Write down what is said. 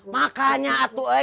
makanya atuh eh